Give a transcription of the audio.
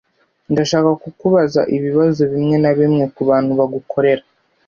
Ndashaka kukubaza ibibazo bimwe na bimwe kubantu bagukorera.